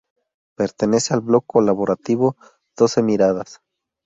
Pertenece al blog colaborativo, Doce Miradas.